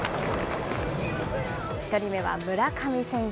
１人目は村上選手。